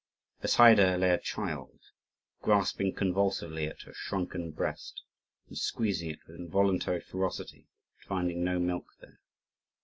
Beside her lay a child, grasping convulsively at her shrunken breast, and squeezing it with involuntary ferocity at finding no milk there.